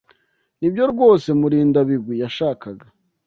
Nibyo rwose Murindabigwi yashakaga.